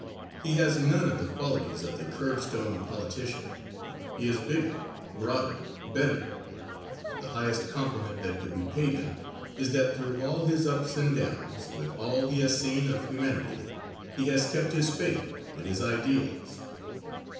He has none of the qualities of the curb stone politician. He is bigger, broader, better, and the highest compliment that could be paid him is that through all his ups and downs, with all he has seen of humanity, he has kept his faith and his ideals.